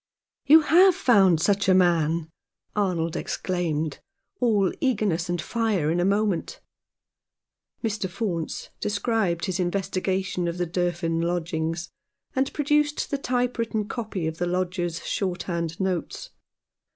"You have found such a man," Arnold ex claimed, all eagerness and fire in a moment. Mr. Faunce described his investigation of the Durfin lodgings, and produced the type written copy of the lodger's shorthand notes.